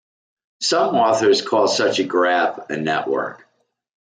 Some authors call such a graph a "network".